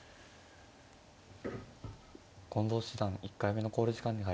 近藤七段１回目の考慮時間に入りました。